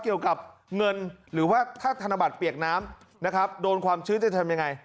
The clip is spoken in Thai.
เกี่ยวกับเงินหรือว่าถ้าธนบัตรเปียกน้ำนะครับโดนความชื้นจะทำยังไง